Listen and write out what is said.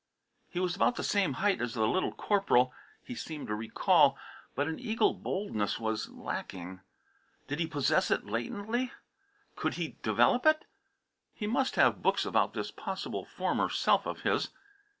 He was about the same height as the Little Corporal, he seemed to recall, but an eagle boldness was lacking. Did he possess it latently? Could he develop it? He must have books about this possible former self of his.